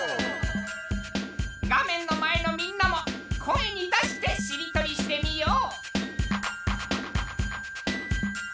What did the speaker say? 画面の前のみんなも声に出してしりとりしてみよう！